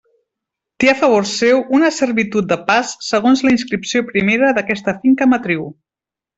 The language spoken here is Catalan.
Té a favor seu una servitud de pas segons la inscripció primera d'aquesta finca matriu.